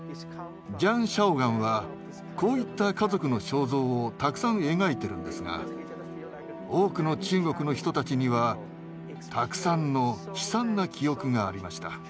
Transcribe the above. ジャン・シャオガンはこういった家族の肖像をたくさん描いてるんですが多くの中国の人たちにはたくさんの悲惨な記憶がありました。